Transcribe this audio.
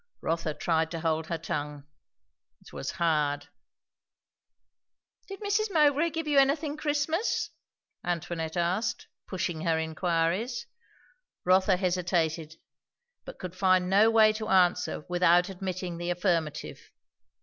Rotha tried to hold her tongue. It was hard. "Did Mrs. Mowbray give you anything Christmas?" Antoinette asked, pushing her inquiries. Rotha hesitated, but could find no way to answer without admitting the affirmative.